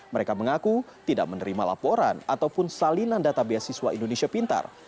mereka mengaku tidak menerima laporan ataupun salinan data beasiswa indonesia pintar